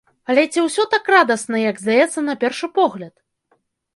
Але ці ўсё так радасна, як здаецца на першы погляд?